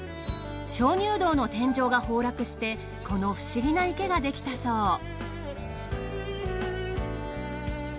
鍾乳洞の天井が崩落してこの不思議な池ができたそう。